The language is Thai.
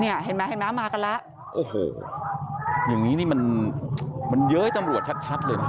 อย่างนี้มันเย้ยตำรวจชัดเลยนะ